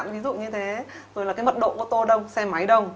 ví dụ như thế rồi là cái mật độ ô tô đông xe máy đông